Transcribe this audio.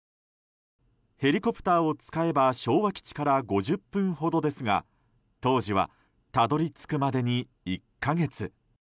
ヘリコプターを使えば昭和基地から５０分ほどですが当時はたどり着くまでに１か月。